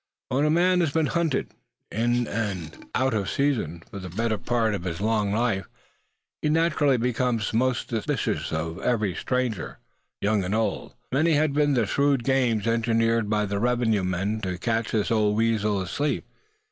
When a man has been hunted, in and out of season, for the better part of his long life, he naturally become most suspicious of every stranger, young and old. Many had been the shrewd games engineered by the revenue men to catch this old weasel asleep.